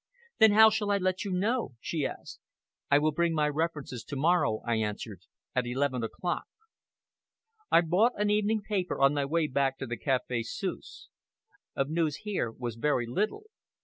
"Then how shall I let you know?" she asked. "I will bring my references to morrow," I answered "at eleven o'clock." I bought an evening paper on my way back to the Café Suisse. Of news here was very little.